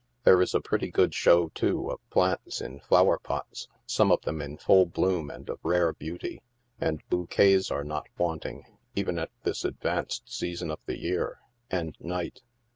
There is a pretty good show, too, of plants in flower pots, some of them in full bloom and of rare beauty, and bouquets are not wanting even at this advanced season of the year — and night.